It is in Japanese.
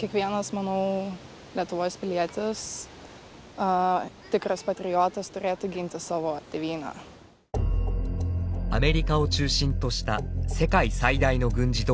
アメリカを中心とした世界最大の軍事同盟ＮＡＴＯ。